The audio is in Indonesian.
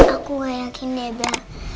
aku gak yakin ya bang